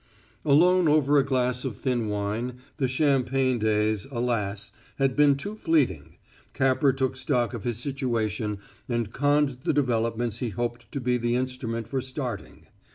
Alone over a glass of thin wine the champagne days, alas! had been too fleeting Capper took stock of his situation and conned the developments he hoped to be the instrument for starting.